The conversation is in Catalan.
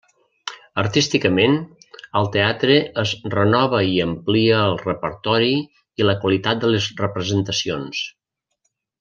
Artísticament, el teatre es renova i amplia el repertori i la qualitat de les representacions.